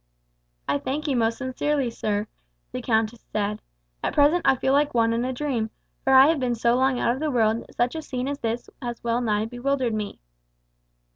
"I thank you most sincerely, sir," the countess said. "At present I feel like one in a dream; for I have been so long out of the world that such a scene as this has well nigh bewildered me."